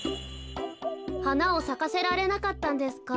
はなをさかせられなかったんですか。